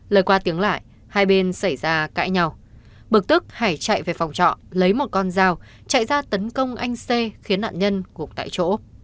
lời qua tiếng lại hai bên xảy ra cãi nhau bực tức hải chạy về phòng trọ lấy một con dao chạy ra tấn công anh c khiến nạn nhân gục tại chỗ